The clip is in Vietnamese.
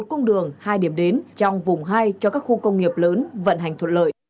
một cung đường hai điểm đến trong vùng hai cho các khu công nghiệp lớn vận hành thuận lợi